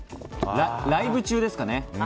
ライブ中ですかね。